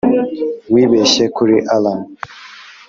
wibeshye, kuri allayne?